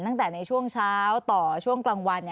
ตั้งแต่ในช่วงเช้าต่อช่วงกลางวัน